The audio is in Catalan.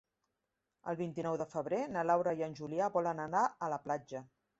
El vint-i-nou de febrer na Laura i en Julià volen anar a la platja.